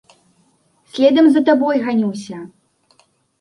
Следам за табой ганюся.